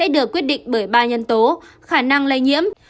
được quyết định bởi ba nhân tố khả năng lây nhiễm